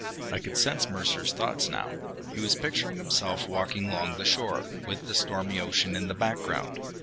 I could sense Mercer's thoughts now. He was picturing himself walking long the shore, with the stormy ocean in the background.